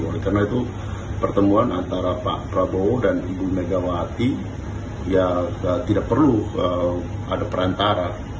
karena itu pertemuan antara pak prabowo dan ibu megawati tidak perlu ada perantara